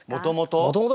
もともと？